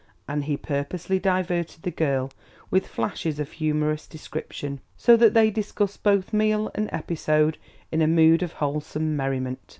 And he purposely diverted the girl with flashes of humorous description, so that they discussed both meal and episode in a mood of wholesome merriment.